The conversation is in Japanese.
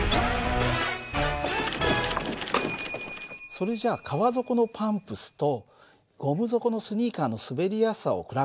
それじゃあ革底のパンプスとゴム底のスニーカーの滑りやすさを比べてみよう。